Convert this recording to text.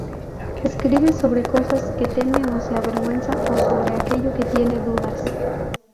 Escribe sobre cosas que teme o se avergüenza, o sobre aquello que tiene dudas.